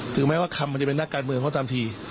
ถึงแม้ว่าคำมันจะเป็นนักการเมืองก็ตามที